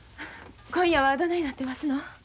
今夜はどないなってますのん？